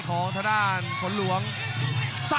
คมทุกลูกจริงครับโอ้โห